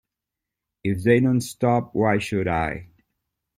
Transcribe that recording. If they don't stop, why should I?